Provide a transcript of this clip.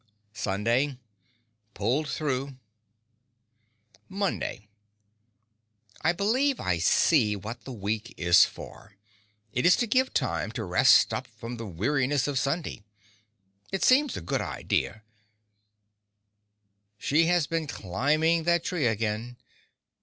Sunday Pulled through. Monday I believe I see what the week is for: it is to give time to rest up from the weariness of Sunday. It seems a good idea…. She has been climbing that tree again.